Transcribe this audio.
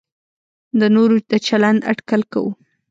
د نورو د چلند اټکل کوو.